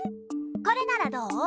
これならどう？